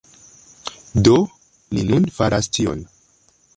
Do, ni nun faras tion